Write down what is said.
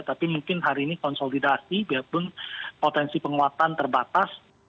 tapi mungkin hari ini konsolidasi biarpun potensi penguatan terbatas